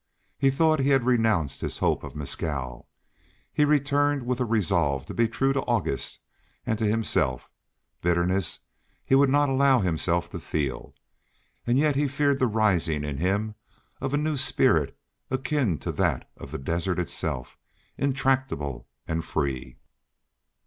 He thought he had renounced his hope of Mescal; he returned with a resolve to be true to August, and to himself; bitterness he would not allow himself to feel. And yet he feared the rising in him of a new spirit akin to that of the desert itself, intractable and free.